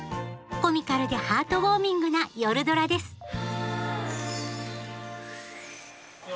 コミカルでハートウォーミングな「夜ドラ」ですよ